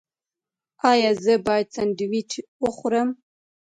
ایا زه باید سنډویچ وخورم؟